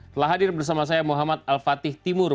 telah hadir bersama saya muhammad al fatih timur